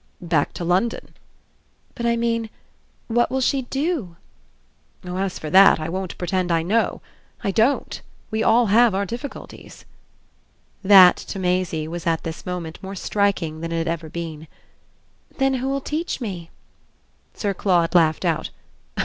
"Back to London." "But I mean what will she do?" "Oh as for that I won't pretend I know. I don't. We all have our difficulties." That, to Maisie, was at this moment more striking than it had ever been. "Then who'll teach me?" Sir Claude laughed out.